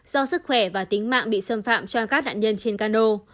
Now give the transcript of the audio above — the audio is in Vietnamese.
do sức khỏe và tính mạng bị xâm phạm cho các nạn nhân trên cano